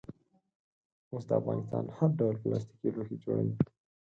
اوس افغانستان هر ډول پلاستیکي لوښي جوړوي.